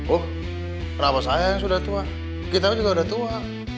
oh rawa saya yang sudah tua kita juga sudah tua